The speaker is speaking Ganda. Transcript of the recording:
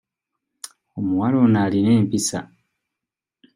Omuwala ono alina empisa.